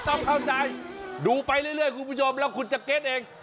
ต้องเข้าใจดูไปเรื่อยคุณผู้ชมแล้วคุณจะเก็ตเอง